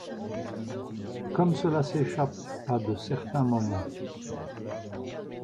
Comme cela s’échappe à de certains moments !